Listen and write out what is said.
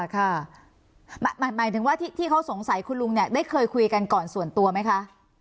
หมายถึงว่าที่เขาสงสัยคุณลุงเนี่ยได้เคยคุยกันก่อนส่วนตัวไหมคะ